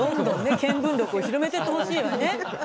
見聞録を広めてってほしいわね。ね。